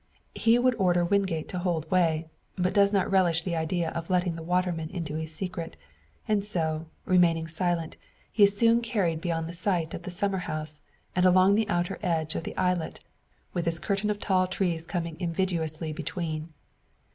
He would order Wingate to hold way, but does not relish the idea of letting the waterman into his secret; and so, remaining silent, he is soon carried beyond sight of the summer house, and along the outer edge of the islet, with its curtain of tall trees coming invidiously between.